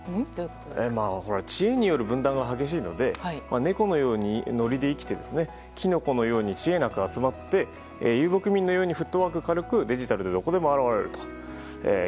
知恵による分断が激しいので猫のようにノリで生きてキノコのように知恵なく集まって遊牧民のようにフットワーク軽くデジタルでどこでも現れると。